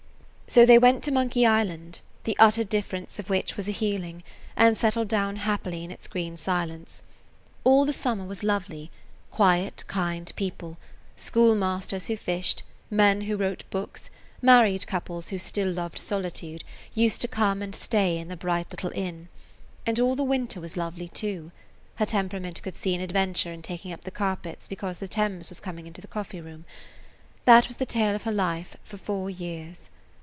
So they went to Monkey Island, the utter difference of which was a healing, and settled down happily in its green silence. All the summer was lovely; quiet, kind people, schoolmasters who fished, men who wrote books, married couples who still loved solitude, used to come and stay in the bright little inn. And all the winter was lovely, too; her temperament could see an adventure in taking up the carpets because the Thames was coming into the coffee room. That was the tale of her life for four years.